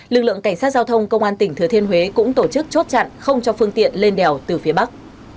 lực lượng cảnh sát giao thông công an tỉnh thừa thiên huế cũng tổ chức chốt chặn không cho phương tiện lên đèo từ phía bắc